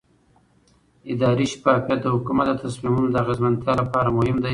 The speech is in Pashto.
اداري شفافیت د حکومت د تصمیمونو د اغیزمنتیا لپاره مهم دی